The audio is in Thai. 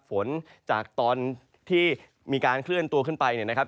ฝนจากตอนที่มีการเคลื่อนตัวขึ้นไปเนี่ยนะครับ